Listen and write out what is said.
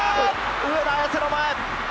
上田綺世の前。